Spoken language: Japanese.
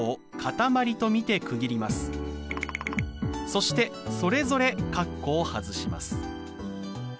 そしてそれぞれ括弧を外します。